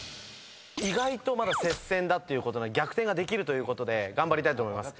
意外とまだ接戦だって逆転ができるということで頑張りたいと思います。